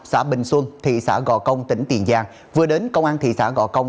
xã bình xuân thị xã gò công tỉnh tiền giang vừa đến công an thị xã gò công